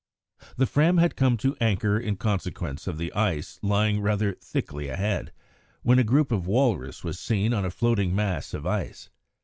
The Fram had come to anchor in consequence of the ice lying rather thickly ahead, when a group of walrus was seen on a floating mass of ice.